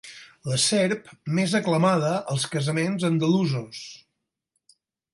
La serp més aclamada als casaments andalusos.